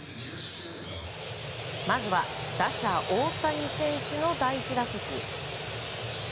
まずは打者、大谷選手の第１打席。